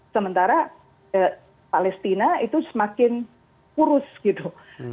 sementara palestina itu semakin kurus gitu